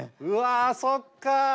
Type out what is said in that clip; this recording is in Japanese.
うわそっか。